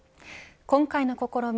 今回の試み